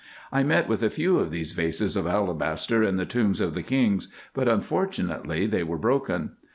I met with a few of these vases of alabaster in the tombs of the kings, but unfortunately they were broken.